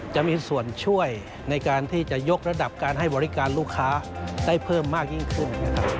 จะมีส่วนช่วยในการที่จะยกระดับการให้บริการลูกค้าได้เพิ่มมากยิ่งขึ้น